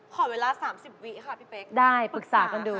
ขอเวลา๓๐วิค่ะพี่เป๊กได้ปรึกษากันดู